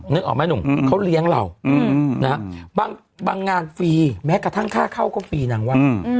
นึกออกไหมหนุ่มเขาเลี้ยงเราบางงานฟรีแม้กระทั่งค่าเข้าก็ฟรีนางว่า